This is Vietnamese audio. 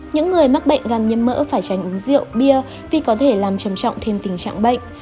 những người mắc bệnh gan nhiễm mỡ phải tránh uống rượu bia vì có thể làm trầm trọng thêm tình trạng bệnh